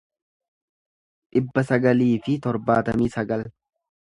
dhibba sagalii fi torbaatamii sagal